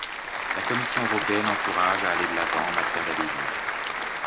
La Commission européenne encourage à aller de l'avant en matière d'adhésion.